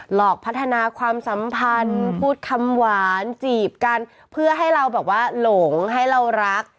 หลอกพัฒนาความสัมพันธ์พูดคำหวานจีบกันเพื่อให้เราแบบว่าหลงให้เรารัก